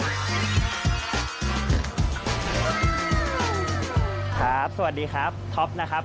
ครับสวัสดีครับท็อปนะครับ